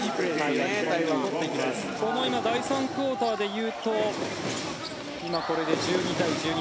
第３クオーターでいうと今これで１２対１２